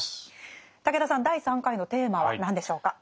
武田さん第３回のテーマは何でしょうか？